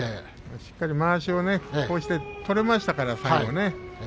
しっかりまわしを取れましたからね、最後。